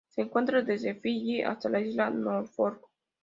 Se encuentra desde Fiyi hasta la Isla Norfolk.